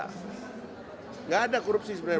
tidak ada korupsi sebenarnya